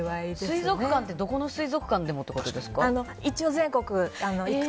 水族館ってどこの水族館でもということですか？